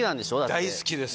大好きです。